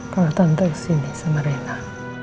kalo tante kesini sama rena